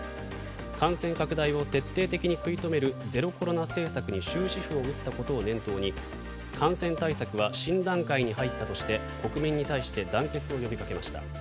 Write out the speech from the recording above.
感染拡大を徹底的に抑え込むゼロコロナ政策に終止符を打ったとして感染対策は新段階に入ったとして国民に対して団結を呼びかけました。